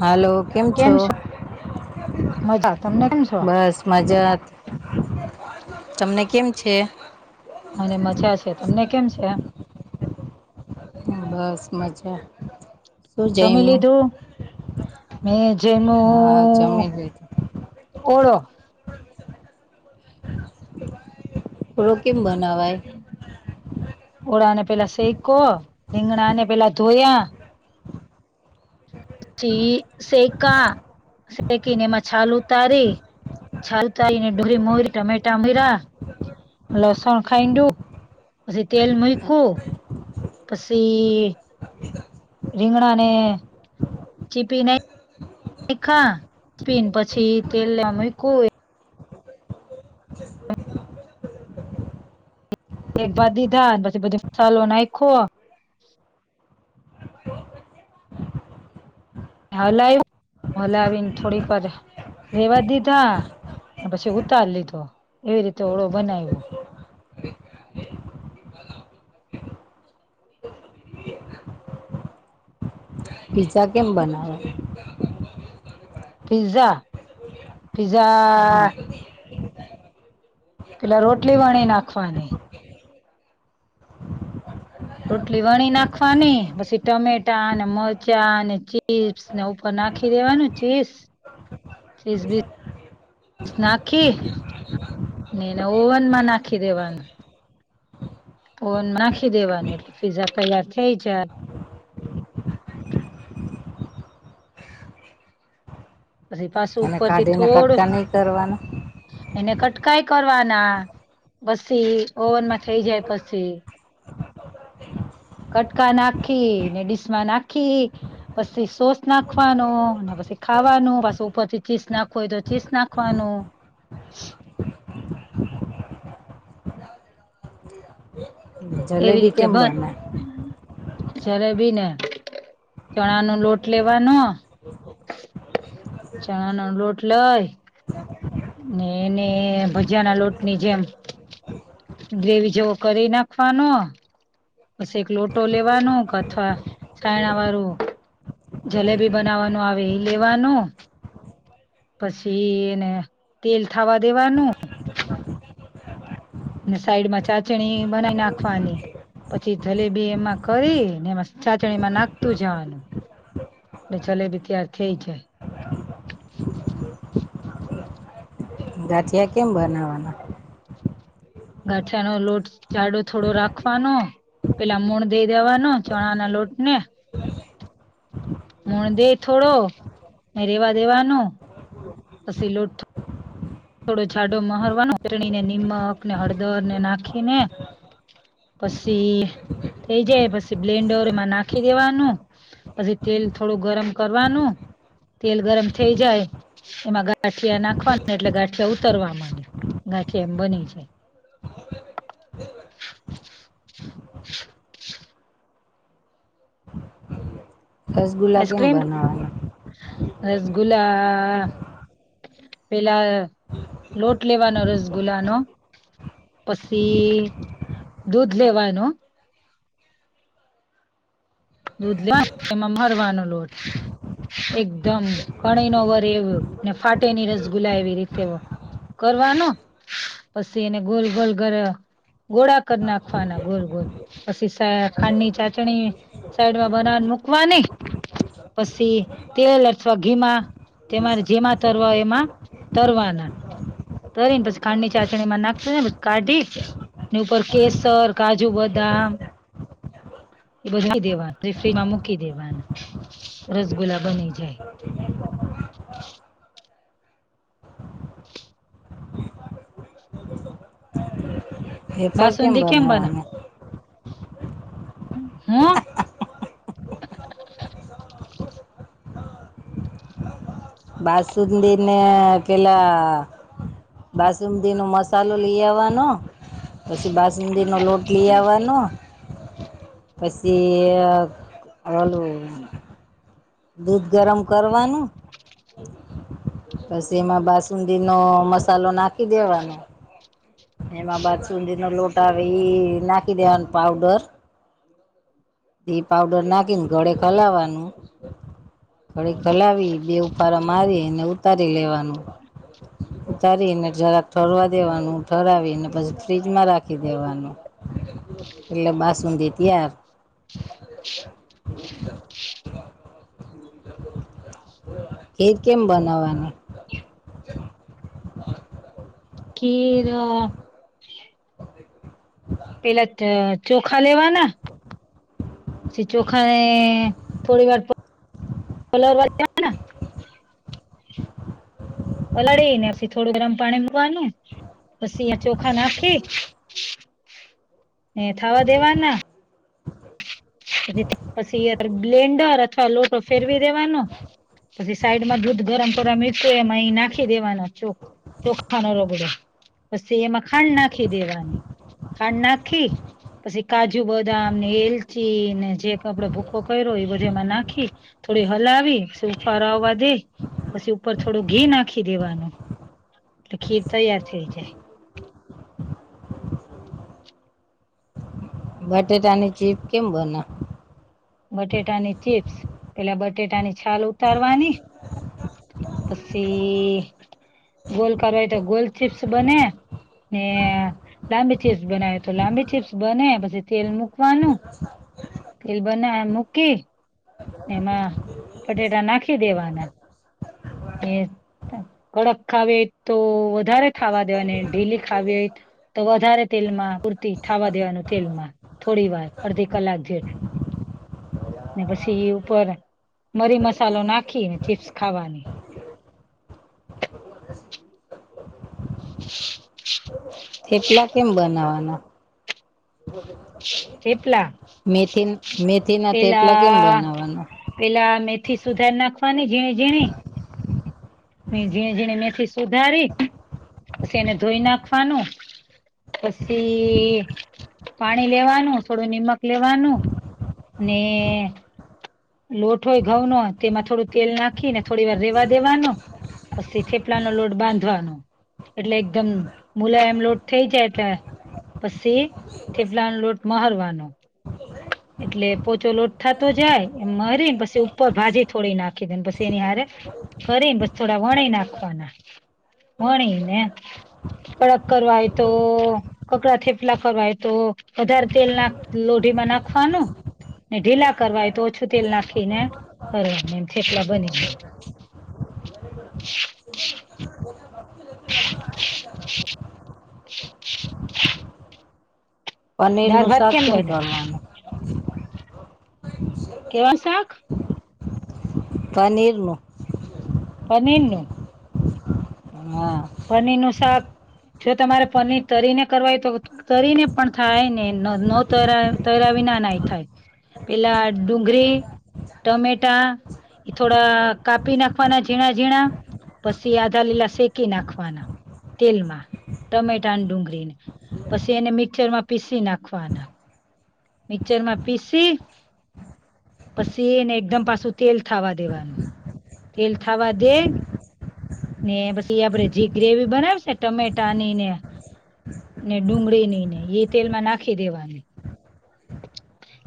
હાલો. કેમ છો? મજા તમને કેમ છો બસ મજા. તમને કેમ છે? મને મજા છે. તમને કેમ છે? બસ મજા. શું જમી જમ્યું લીધું? મે જયમુ હા જમી ઓળો. ઓળો કેમ બનાવાય? ઓળાને પેલા શેયકો. રીંગણા ને પેલા ધોયા પછી શેયકા. શેકી ને એમાં છાલ ઉતારી. છાલ કાઢીને ડુંગળી મોયરી, ટામેટા મોયરા. લસણ ખાઈંડુ, પછી તેલ મૂયકુ. પસી રીંગણાને ચીપી નાયખા. ચીપીન પછી તેલ લેવા મૂયકું. [unintelligible] ન પછી બધો મસાલો નાયખો. હલાવ્યો. હલાવીન થોડીક વારે રેવા દીધા. ન પછી ઉતાર લીધો. એવી રીતે ઓળો બનાયવો. પિઝા કેમ બનાવાય? Pizza, pizza. હા પેલા રોટલી વણી નાખવાની રોટલી વણી નાખવાની, પછી ટમેટા ને મરચાં ને ચીઝ ને ઉપર નાખી દેવાનું ચીઝ ચીઝ, બીસ નાખી ને એને ઓવન માં નાખી દેવાનું. ઓવનમાં નાખી દેવાનું એટલે પીઝા તૈયાર થઈ જાય પછી પાછું અને ઉપરથી કાઢીને થોડું કટકા નહીં કરવાના એના કટકા ઈ કરવાના પસી ઓવનમાં થઇ જાય પછી [inaudible] કટકા નાખી ને ડીશમા નાખી પછી સોસ નાખવાનો પછી ખાવાનું, ઉપરથી ચીઝ નાખવું હોય તો ચીઝ નાખવાનું એવી જલેબી રીતે કેમ બન બનાય જલેબી ને, ચણા નો લોટ લેવાનો ચણાનો લોટ લય એને ભજીયાના લોટની જેમ ગ્રેવી જેવો કરી નાખવાનો પછી એક લોટો લેવાનો, અથવા કાયણા વાળું જલેબી બનાવવાનું આવે ઈ લેવાનું પછી એને તેલ થાવા દેવાનુ ને સાઈડ માં ચાસણી બનાવી નાખવાની પછી જલેબી એમાં કરીને એમાં ચાસણી માં નાખતું જવાનું ને જલેબી તૈયાર થઈ જાય ગાઠિયા કેમ બનાવાના? ગાંઠિયાનો લોટ જાડો થોડો રાખવાનો પેલા મોણ દઈ દેવાનું ચણા ના લોટ ને મોણ દઈ થોડું ને રેવા દેવાનુ પછી લોટ થોડો જાડો મહરવાનો ચટણી, ને નિમક, ને હળદર, ને નાખી ને પછી થઈ જાય પછી બ્લેન્ડર માં નાખી દેવાનું પછી તેલ થોડું ગરમ કરવાનું તેલ ગરમ થઇ જાય એમાં ગાંઠિયા નાખવાનું એટલે ગાંઠ ઉતરવા માંડવા, ગાંઠિયા બની જાય. [inaudible] રસગુલ્લા કેમ આઈસ્ક્રીમ બનાવાના? રસગુલ્લા પેલા લોટ લેવાનો રસ ગુલ્લા નો પછી દૂધ લેવાનું દૂધમા એમાં મશળવાનું લોટ એકદમ કણી ન વરે એવો, ને ફાટે નહીં, રસગુલ્લા એવી રીતે કરવાનો પછી એને ગોલ ગોલ કર ગોળા કર નાખવાના ગોલ, ગોલ, પછી ખાંડની ચાસણી સાઈડમાં બનાવા મૂકવાની પછી તેલ અથવા ઘીમા તમારે જેમાં તરવા હોય એમાં તરવાના તરી ને પસી ખાંડની ચાંસણી માં નાખસી ને પછ કાઢી ની ઉપર કેસર, કાજુ-બદામ એ બધ નાખી દેવા તે ફ્રીજમા મૂકી દેવાનુ, રસગુલ્લા બની જાય. [inaudible] વેફર બાસુંદી કેમ બના. બનાવવાના હ. બાસુંદી ને પેલા બાસુમદી નો મસાલો લેઈ આવાનો પસી બાસુંંદી નો લોટ લીય આવાનો. પસી અ આલો દૂધ ગરમ કરવાનું પસી એમાં બાસુંદીનો મસાલો નાખી દેવાનો એમા બાદસુંંદીનો લોટ આવે ઈઈ નાખી દેવાન પાવડર ઘી પાવડર નાખીને ઘળેક હલાવાનું. ઘડીક હલાવી, બે ઉફારા મારીન ઉતારી લેવાનું. ઉતારીન જરાક ઠરવા દેવાનુ, ઠરાવીને પછી ફ્રીજમાં રાખી દેવાનું. એટલે બાસુંંદી ત્યાર. [inaudible] એ કેમ બનાવાની? કીર અ..... [inaudible] પેલા ત ચોખા લેવાના સી ચોખાને થોડી વાર પ-લરવા દે-વ પલાળી ને સી થોડુ ગરમ પાણી મૂકવાનુ પસી અઈયા ચોખા નાખી ને થાવા દેવાના. [inaudible] પસી યર બ્લેન્ડર અથવા લોટો ફેરવી દેવાનો. પસી સાઈડમા દૂધ ગરમ કરવા મુયકુ એમા ઈ ના ખી દેવાના ચોખ ચોખાનો રગડો પસી એમાં ખાંડ નાખી દેવાની. ખાંડ નાખી પસી કાજુ-બદામને એલચ ચી ને જે ક આપડે ભૂકો કયરો, એ બધો એમાં નાખી થોડી હલાવી સું ઉફારો આવી દઈ પસી ઉપર થોડું ઘી નાખી દેવાનુ. તો ખીર તૈયાર થઈ જાય. બટેટાની ચીપ કેમ બના બટેટાની ચીપ્સ, એલે બટેટા ની છાલ ઉતારવાની પસી ગોલ કરવાય, તો ગોલ ચીપ્સ બને. ને લાંબી ચીપ્સ બનાવે, તો લાંબી ચીપ્સ બને પસી તેલ મુકવા [inaudible] એલ બનાયા મુકી એમા પટેટા નાખી દેવાના. એ કડક ખાવી ઓય, તો વધારે ખાવા દેવાને ઢીલી ખાવી ઓય ત તો વધારે તેલમાં પૂરતી થાવા દેવાનું તેલમાં. થોડી વાર અડધી કલાક જે ને પસી ઈ ઉપર મરી-મસાલો નાખીન, ચીપ્સ ખાવાની. થેપલા કેમ બનાવાના? થેપલા મેતીન મેતી ના થેપલા કેમ પેલા બનાવાના? પેલા મેથી સુધાર નાખવાની ઝીણી-ઝીણી. ઝીણી ઝીણી મેથી સુધારી પછી એને ધોઈ નાખવાનું પછી પાણી લેવાનું થોડું નિમક લેવાનું ને લોઠો હોય ઘઉંનો તેમાં થોડું તેલ નાખીન થોડીવાર રેવા દેવાનો. પછી થેપલાનો લોટ બાંધવાનો. એટલે એકદમ મુલાયમ લોટ થઈ જાય એટલે પછી થેપલાનો લોટ મહરવાનો એટલે પોચો લોટ થાતો જાય એમ મહરી પછી ઉપર ભાજી થોડી નાખી દીન પછી એની હારે કરીન બસ થોડા વણી નાખવાના વણી ને કડક કરવા હોય તો કકડા થેપલા કરવા હોય તો વધારે તેલ નાખ લોઢીમાં નાખવાનું ને ઢીલા કરવા હોય તો ઓછું તેલ નાખીને કરવાનું એમ થેપલા બની જાય. [unintelligible] દાળ પનીરનું ભાત શાક કેમ બને કરવાનું? કેવા શાક? પનીરનું. પનીરનું. હા. પનીરનું શાક જો તમારે પનીર તરીને કરવા હોય તો તરીને પણ થાય ને ન તરા તરા વિના નાય થાય. પેલા ડુંગરી, ટમેટા એ થોડા કાપી નાખવાના ઝીણા ઝીણા પછી આધા લીલા શેકી નાખવાના તેલમાં ટમેટા અને ડુંગળીને પછી એને મિક્સરમાં પીસી નાખવાના. મિક્ચરમાં પીસી પછી એને એકદમ પાછું તેલ થાવા દેવાનું. તેલ થાવા દેયન ને પછી એ આપડે જે ગ્રેવી બનાવી છે ટમેટાની ને ને ડુંગળીની ને એ તેલમાં નાખી દેવાની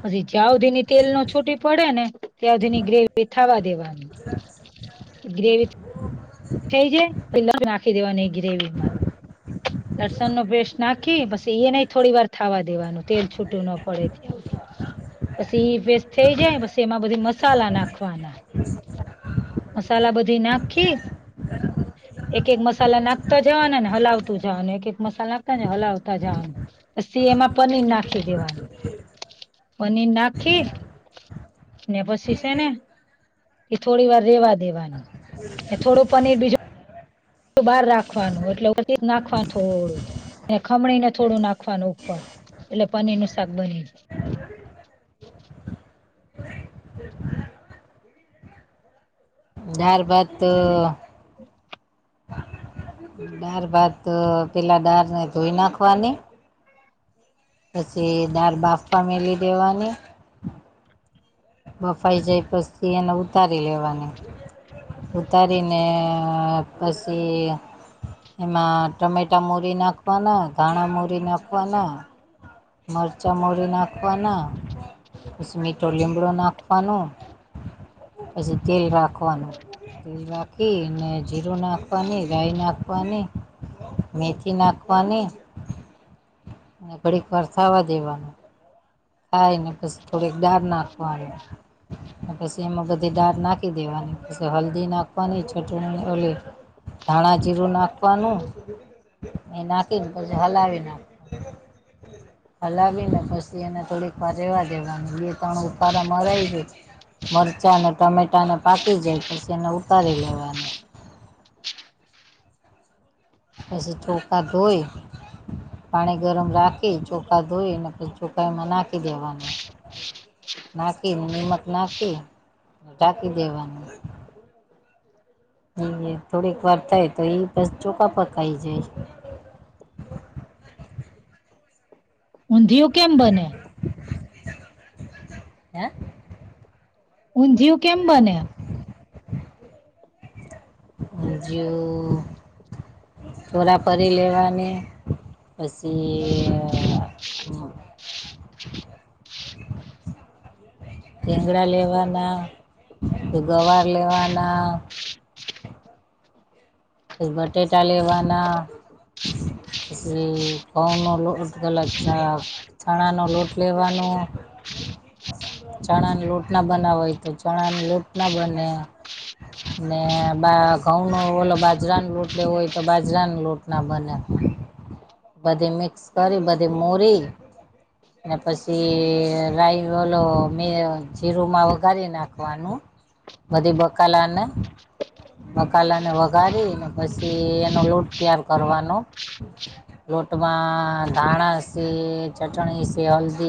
પછી જ્યાં હુધીની તેલ નો છૂટી પડે ને ત્યાં હુધીની ગ્રેવી થાવા દેવાની ગ્રેવી થઈ જાય પસી [unintelligible] નાખી દેવાની ગ્રેવીમાં લસણનો પેસ્ટ નાખી પછી એ ને થોડીવાર થાવા દેવાનું તેલ છૂટું ન પડે એવું. પછી પેસ્ટ થય જાય પછી એમાં બધી મસાલા નાખવાના મસાલા બધી નાખી, એક-એક મસાલા નાખતા જવાના ને હલાવતા જવાનું એક-એક મસાલા નાખતા ને હલાવતા જવાનું. પછી એમાં પનીર નાખી દેવાનું પનીર નાખી ને પછી છે ને એ થોડી વાર રેવા દેવાની ને થોડું પનીર બીજું બહાર રાખવાનું એટલે [unintelligible] નાખવાનું થોડું ખમણીને થોડું નાખવાનું ઉપર એટલે પનીરનું શાક બની જાય. ડાર-ભાત તો [inaudible] દાળ-ભાત તો પેલા ડાળ ને ધોઈ નાખવાની, પછી દાળ બાફવા મેલી દેવાની, બફાઈ જાય પસી, એને ઉતારી લેવાની. ઉતારીને અ પસી એમાં ટમેટા મોરી નાખવાના, ધાણા મોરી નાખવાના મરચાં મોરી નાખવાના. પછી મીઠો લીમડો નાખવાનું, પછી તેલ રાખવાનું. રાખી ને જીરું નાખવાની, રાય નાખવાની. મેથી નાખવાની, ઘડીક વાર થાવા દેવાનું. થાય, ને પસી થોડીક દાળ નાખવાની. ન પસી એમાં બધી દાર નાખી દેવાની. પછી હલ્દી નાખવાની છટ છટણી ઓલી ધાણા જીરું નાખવાનું. એ નાખીને પછી હલાવી નાખવાનું. હલાવીને પસી એને થોડીક વાર રેવા દેવાનું. બે ત્રણ ઉકારા મરાય દે મરચાં અને ટમેટાને પાકી જાય, પછી એને ઉતારી લેવાનું. પછી ચોખા ધોઈ પાણી ગરમ રાખી, ચોખા ધોઈને પછી ચોખા એમાં નાખી દેવાનું. નાખીને, નિમક નાખી ઢાંકી દેવાની. ઈન ઇન થોડીક વાર થાય, તો એ પછ ચોખા પકાઈ જાય. ઊંધિયુ કેમ બને? [inaudible] હેં? ઊંધિયું કેમ બને? ઊંધિયું ચોરાફરી લેવાની. પસી સીંગડા લેવાના, તો ગવાર લેવાના તે બટેટા લેવાના પસી, ઘઉંનો લોટ અલગ ચા ચણાનો લોટ લેવાનો, ચણાન લોટના બનાવ હોય તો, ચણાના લોટના બને. ને બા ઘઉંનો ઓલો બાજ બાજરાનો લોટ લેવો હોય, તો બાજરાની લોટ ના બને. બધી મિક્સ કરી, બધી મોરી અને પછી રાઈ, ઓલો મેં જીરુંમાં વઘારી નાખવાનું. બધી બકાલાને, બકાલાને વઘારી અને પસી, એનો લોટ ત્યાર કરવાનો. લોટમાં ધાણા છે, ચટણી છે હલ્દી